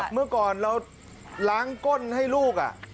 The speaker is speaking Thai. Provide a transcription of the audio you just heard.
เมื่อก่อนเราล้างก้นให้ลูก